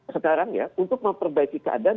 sekarang ya untuk memperbaiki keadaan